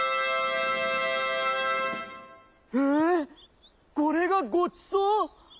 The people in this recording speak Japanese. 「ええっこれがごちそう！？」。